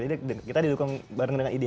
jadi kita didukung bareng dengan idea